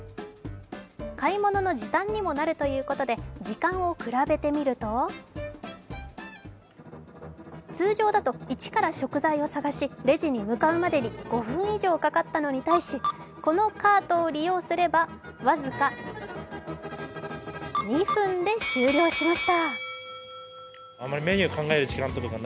買い物の時短にもなるということで時間を比べてみると通常だと一から食材を探しレジに向かうまでに５分以上かかったのに対しこのカートを利用すれば僅か２分で終了しました。